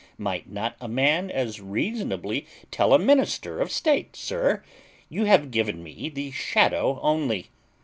Might not a man as reasonably tell a minister of state, Sir, you have given me the shadow only?